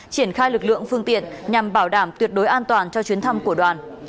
triển khai lực lượng phương tiện nhằm bảo đảm tuyệt đối an toàn cho chuyến thăm của đoàn